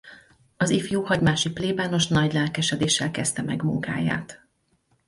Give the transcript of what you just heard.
Az ifjú Hagymási plébános nagy lelkesedéssel kezdte meg munkáját.